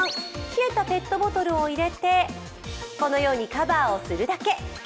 冷えたペットボトルを入れてカバーをするだけ。